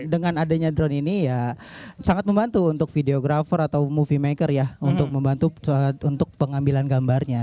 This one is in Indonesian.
dengan adanya drone ini ya sangat membantu untuk videographer atau movemaker ya untuk membantu untuk pengambilan gambarnya